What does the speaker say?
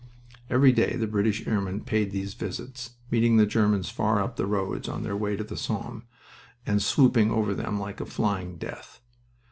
Every day the British airmen paid these visits, meeting the Germans far up the roads on their way to the Somme, and swooping over them like a flying death.